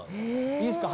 いいですか？